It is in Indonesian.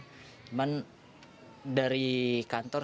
cuman dari kantor